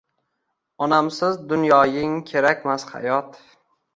Onamsiz dunyoying kerakmas hayot!